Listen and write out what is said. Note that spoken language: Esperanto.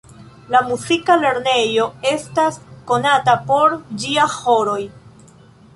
La muzika lernejo estas konatan por ĝia ĥoroj.